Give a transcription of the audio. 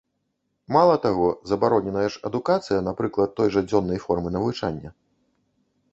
Мала таго, забароненая ж адукацыя, напрыклад, той жа дзённай формы навучання.